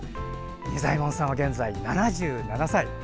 仁左衛門さんは現在７７歳。